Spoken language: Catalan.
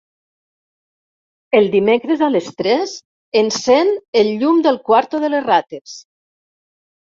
Els dimecres a les tres encèn el llum del quarto de les rates.